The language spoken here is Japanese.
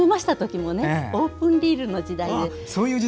オープンリールの時代で。